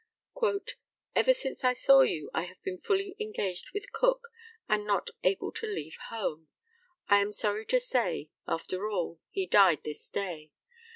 "Ever since I saw you I have been fully engaged with Cook, and not able to leave home. I am sorry to say, after all, he died this day.